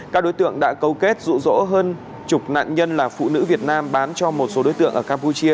các đối tượng đã cấu kết rụ rỗ hơn chục nạn nhân là phụ nữ việt nam bán cho một số đối tượng ở campuchia